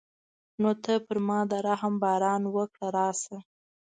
نو ته پر ما د رحم باران وکړه راشه.